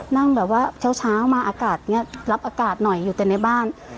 นั่งแบบว่าเช้ามาอากาศนี้รับอากาศหน่อยอยู่แต่ในบ้าน